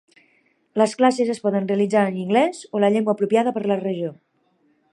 Les classes es poden realitzar en anglès o la llengua apropiada per la regió.